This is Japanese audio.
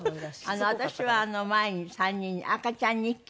私は前に３人に赤ちゃん日記？